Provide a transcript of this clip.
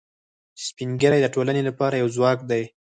سپین ږیری د ټولنې لپاره یو ځواک دي